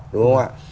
đúng không ạ